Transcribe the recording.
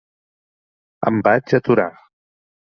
Em vaig aturar.